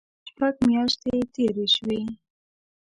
شپږ میاشتې تېرې شوې.